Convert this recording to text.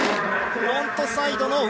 フロントサイド